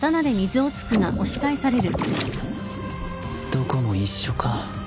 どこも一緒か